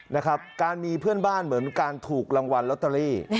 นะครับการมีเพื่อนบ้านเหมือนการถูกรางวัลลอตเตอรี่